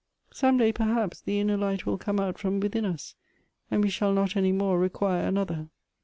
Some day, perhaps, the inner light will come out from within us, and we shall not any more require another.